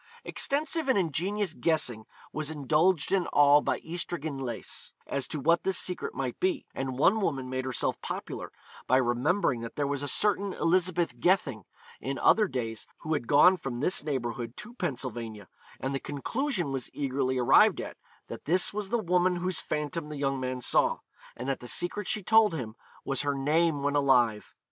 Extensive and ingenious guessing was indulged in by all Ystradgynlais, as to what this secret might be; and one woman made herself popular by remembering that there was a certain Elizabeth Gething in other days who had gone from this neighbourhood to Pennsylvania, and the conclusion was eagerly arrived at, that this was the woman whose phantom the young man saw, and that the secret she told him was her name when alive.